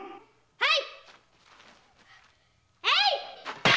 はい！